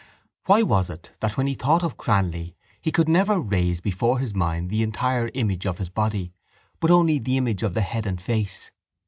Why was it that when he thought of Cranly he could never raise before his mind the entire image of his body but only the image of the head and face?